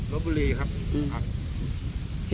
บบุรีครับ